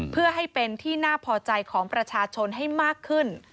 เพื่อให้เป็นที่น่าพอใจของประชาชนให้มากขึ้น